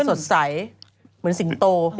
สดใสเหมือนสิงโต